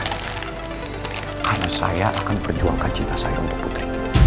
karena saya akan perjuangkan cinta saya untuk putri